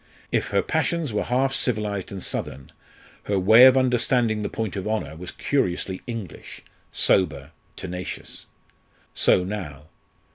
If her passions were half civilised and southern, her way of understanding the point of honour was curiously English, sober, tenacious. So now.